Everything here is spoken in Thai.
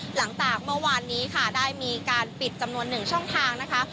หลังจากเมื่อวานนี้ค่ะได้มีการปิดจำนวน๑ช่องทางนะคะ